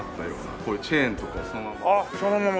こういうチェーンとかもそのまま。